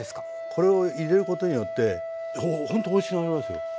これを入れることによってほんとおいしくなりますよ。